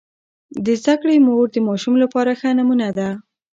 د زده کړې مور د ماشوم لپاره ښه نمونه ده.